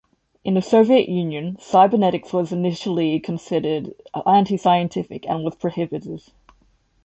In the Soviet Union cybernetics was initially considered antiscientific, and was prohibited.